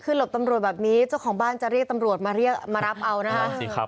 คือหลบตำรวจแบบนี้เจ้าของบ้านจะเรียกตำรวจมาเรียกมารับเอานะคะ